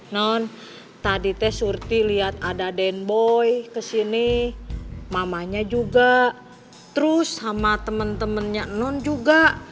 non tadi teh surti liat ada denboy kesini mamanya juga terus sama temen temennya non juga